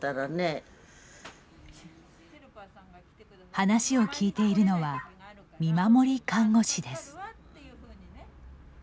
話を聞いているのは見守り看護師です。